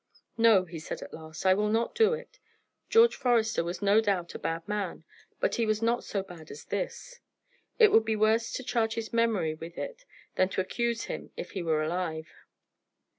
"No," he said at last, "I will not do it. George Forester was no doubt a bad man, but he was not so bad as this. It would be worse to charge his memory with it than to accuse him if he were alive.